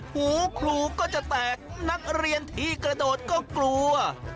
หูครูก็จะแตกนักเรียนที่กระโดดก็กลัว